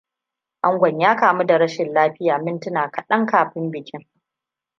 Angon ya kamu da rashin lafiya mintuna kaɗan kafin bikin.